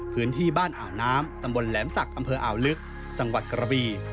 พื้นที่บ้านอ่าวน้ำตำบลแหลมศักดิ์อำเภออ่าวลึกจังหวัดกระบี